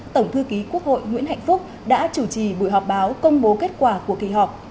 tổng thư ký quốc hội nguyễn hạnh phúc đã chủ trì buổi họp báo công bố kết quả của kỳ họp